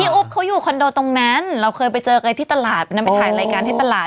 อุ๊บเขาอยู่คอนโดตรงนั้นเราเคยไปเจอกันที่ตลาดวันนั้นไปถ่ายรายการที่ตลาด